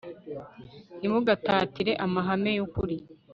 ntimugatatire amahame yukuri